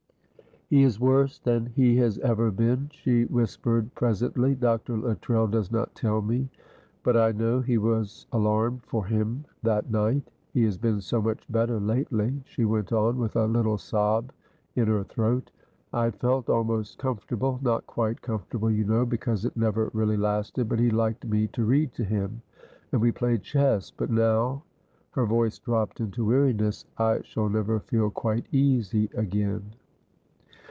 "He is worse than he has ever been," she whispered, presently. "Dr. Luttrell does not tell me, but I know he was alarmed for him that night. He has been so much better lately," she went on, with a little sob in her throat. "I had felt almost comfortable; not quite comfortable, you know, because it never really lasted, but he liked me to read to him, and we played chess; but now" her voice dropped into weariness "I shall never feel quite easy again."